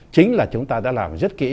chính là chúng ta đã làm rất kỹ